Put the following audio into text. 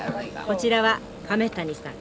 こちらは亀谷さん。